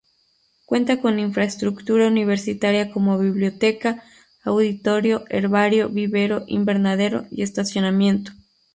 Cuenta con infraestructura universitaria como biblioteca, auditorio, herbario, vivero, invernadero y estacionamiento.